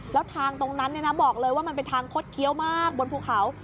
แล้วทางตรงนั้นบอกเลยว่ามันเป็นทางคดเคี้ยวมากบนภูเขา